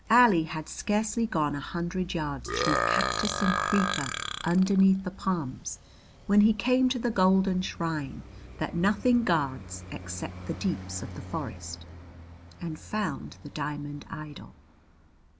Ali had scarcely gone a hundred yards through cactus and creeper underneath the palms when he came to the golden shrine that nothing guards except the deeps of the forest, and found the Diamond Idol.